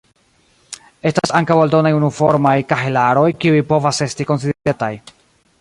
Estas ankaŭ aldonaj unuformaj kahelaroj, kiuj povas esti konsiderataj.